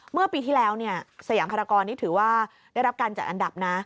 เมื่อปีที่แล้วสยามภารกรนี่ถือว่าได้รับการจัดอันดับนะ